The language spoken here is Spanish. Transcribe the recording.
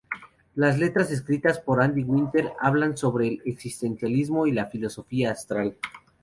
Las letras, escritas por Andy Winter, hablan sobre el existencialismo y la filosofía astral.